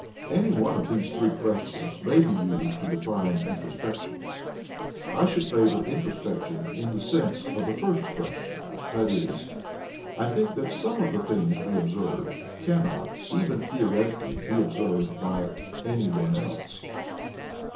Any one of these three questions may be used to define introspection. I should favour introspection in the sense of the first question, i.e. I think that some of the things we observe cannot, even theoretically, be observed by any one else.